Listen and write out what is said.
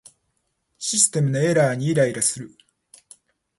システムのエラーにイライラする